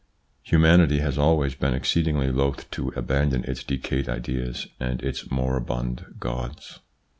Humanity has always been exceedingly loth to abandon its decayed ideas and its moribund gods.